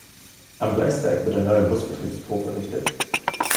Am Gleisdreieck wird ein neuer Busbetriebshof errichtet.